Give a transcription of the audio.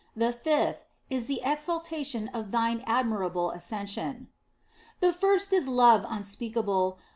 The fifth is the exaltation of Thine admirable Ascension. " The first is love unspeakable.